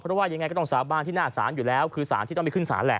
เพราะว่ายังไงก็ต้องสาบานที่หน้าศาสนที่ต้องไม่ขึ้นศาล